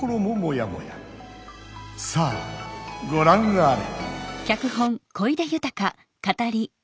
さあごらんあれ！